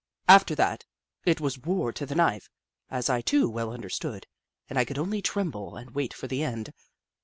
After that, it was war to the knife, as I too well understood, and I could only tremble and wait for the end.